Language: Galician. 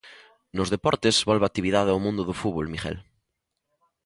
Nos deportes, volve a actividade ao mundo do fútbol, Miguel.